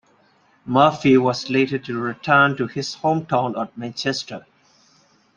Murphy was later to return to his hometown of Manchester.